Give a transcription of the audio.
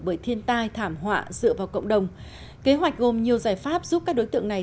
bởi thiên tai thảm họa dựa vào cộng đồng kế hoạch gồm nhiều giải pháp giúp các đối tượng này